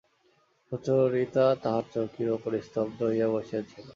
সুচরিতা তাহার চৌকির উপরে স্তব্ধ হইয়া বসিয়া ছিল।